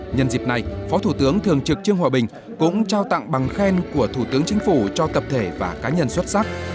nhân dịp này phó thủ tướng thường trực trương hòa bình cũng trao tặng bằng khen của thủ tướng chính phủ cho tập thể và cá nhân xuất sắc